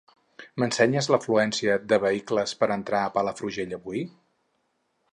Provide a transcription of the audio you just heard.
M'ensenyes l'afluència de vehicles per entrar a Palafrugell avui?